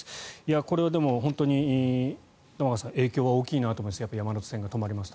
これは本当に玉川さん影響は大きいなと思いますが山手線が止まりますと。